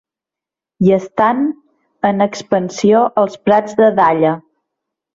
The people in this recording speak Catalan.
Hi estan en expansió els prats de dalla.